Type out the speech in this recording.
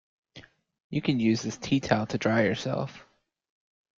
You can use this teatowel to dry yourself.